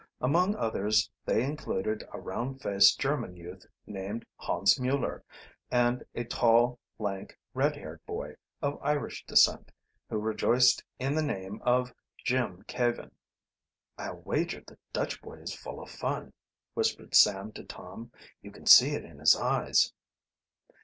Among others they included a round faced German youth named Hans Mueller, and a tall, lank, red haired boy, of Irish descent who rejoiced in the name of Jim Caven. "I'll wager the Dutch boy is full of fun," whispered Sam to Tom. "You can see it in his eyes."